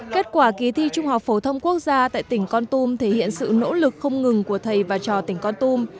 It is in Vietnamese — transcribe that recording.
kết quả kỳ thi trung học phổ thông quốc gia tại tỉnh con tum thể hiện sự nỗ lực không ngừng của thầy và trò tỉnh con tum